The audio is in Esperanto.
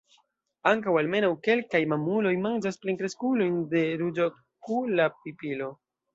Ankaŭ almenaŭ kelkaj mamuloj manĝas plenkreskulojn de Ruĝokula pipilo.